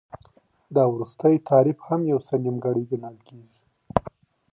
دا وروستی تعریف هم یو څه نیمګړی ګڼل کیږي.